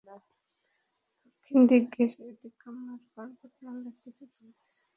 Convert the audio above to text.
দক্ষিণ দিক ঘেঁষে এটি কামার পর্বতমালার দিকে চলে গেছে।